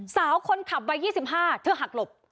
สาวคนขับวัย๒๕เธอหักหลบ